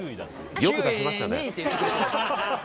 よく出せましたね。